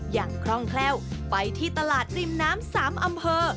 อย่างคร่องแคลวไปที่ตลาดริมน้ำสามอำเภอ